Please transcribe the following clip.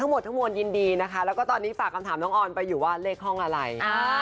อันนี้ก็ทั้งหมดยินดีนะตอนนี้ฝากคำถามน้องอรไปอยู่ว่ารับห้องอะไร